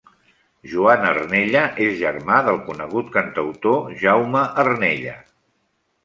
Joan Arnella és germà del conegut cantautor Jaume Arnella.